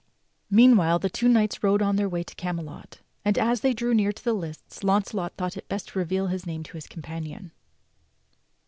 Aleanwhile the two knights rode on their way toward Camelot, and as they drew near to the lists Launcelot thought it best to reveal his name to his companion.